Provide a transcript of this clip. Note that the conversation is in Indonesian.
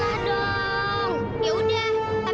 aku tahu kau pasti ngumpat